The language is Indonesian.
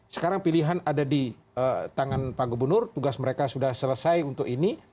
sekarang pilihan ada di tangan pak gubernur tugas mereka sudah selesai untuk ini